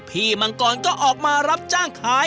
มังกรก็ออกมารับจ้างขาย